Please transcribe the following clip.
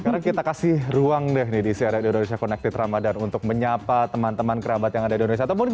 sekarang kita kasih ruang deh nih di cnn indonesia connected ramadhan untuk menyapa teman teman kerabat yang ada di indonesia